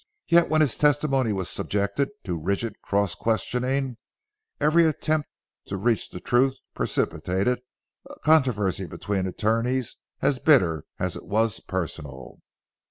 Yet when his testimony was subjected to a rigid cross questioning, every attempt to reach the truth precipitated a controversy between attorneys as bitter as it was personal.